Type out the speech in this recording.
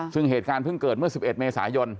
ซึ่งเหตุการณ์เพิ่งเกิดเมื่อ๑๑เมษายน